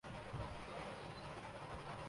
آخر یہ دونوں لڑ کیوں رہے ہیں